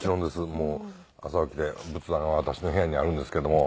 もう朝起きて仏壇は私の部屋にあるんですけども。